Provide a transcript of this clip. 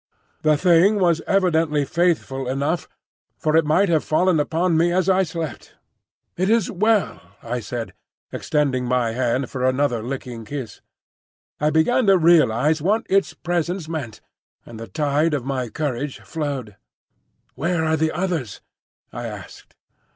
The Thing was evidently faithful enough, for it might have fallen upon me as I slept. "It is well," I said, extending my hand for another licking kiss. I began to realise what its presence meant, and the tide of my courage flowed. "Where are the others?" I asked.